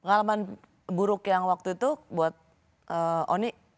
pengalaman buruk yang waktu itu buat oni